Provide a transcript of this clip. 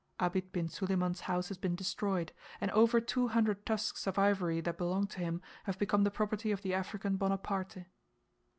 Abid bin Suliman's house has been destroyed, and over two hundred tusks of ivory that belonged to him have become the property of the African Bonaparte.